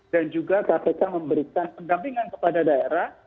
dan juga kpk memberikan pendampingan kepada daerah